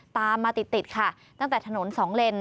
ตามมาติดติดค่ะตั้งแต่ถนนสองเลน